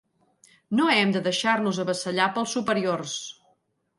No hem de deixar-nos avassallar pels superiors.